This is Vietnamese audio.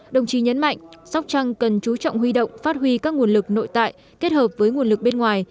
đồng chí nhấn mạnh sóc trăng cần chú trọng huy động phát huy các nguồn lực nội tại kết hợp với nguồn lực bên ngoài